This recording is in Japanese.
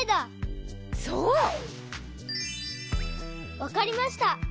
わかりました！